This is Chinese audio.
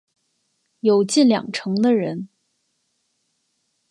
有近两成的人